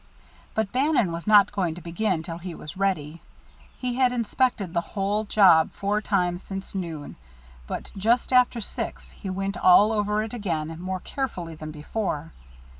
But Bannon was not going to begin till he was ready. He had inspected the whole job four times since noon, but just after six he went all over it again, more carefully than before.